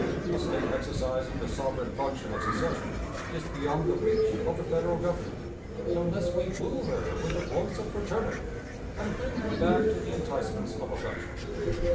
A State exercising the sovereign function of secession is beyond the reach of the Federal Government, unless we woo her with the voice of fraternity, and bring her back to the enticements of affection.